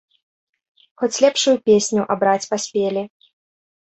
Хоць лепшую песню абраць паспелі.